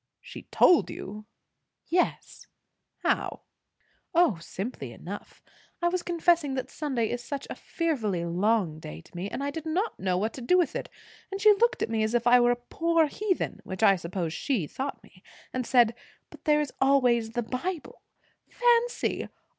"She told you!" "Yes." "How?" "O, simply enough. I was confessing that Sunday is such a fearfully long day to me, and I did not know what to do with it; and she looked at me as if I were a poor heathen which I suppose she thought me and said, 'But there is always the Bible!' Fancy!